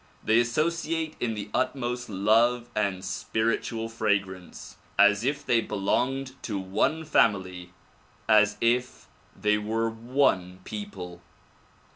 They asso ciate in the utmost love and spiritual fragrance as if they belonged to one family, as if they were one people.